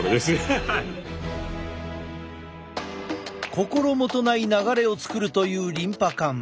心もとない流れを作るというリンパ管。